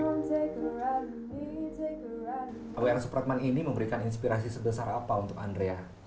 pemirsa wage rudolf supratman ini memberikan inspirasi sebesar apa untuk andrea